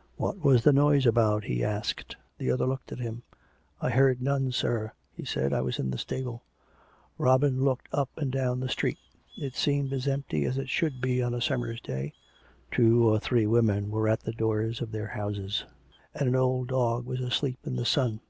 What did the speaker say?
" What was the noise about ?" he asked. The other looked at him. " I heard none, sir," he said. " I was in the stable." COME RACK! COME ROPE! 287 Robin looked up and down the street. It seemed as empty as it should be on a summer's day; two or three women were at the doors of their houses, and an old dog was asleep in the sun.